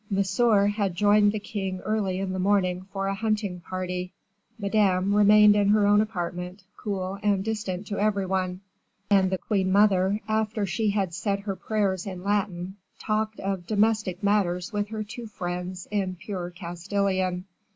Monsieur had joined the king early in the morning for a hunting party; Madame remained in her own apartment, cool and distant to every one; and the queen mother, after she had said her prayers in Latin, talked of domestic matters with her two friends in pure Castilian.